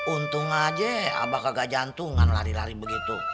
untung aja abah ke gak jantungan lari lari begitu